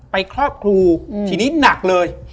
ครอบครูทีนี้หนักเลย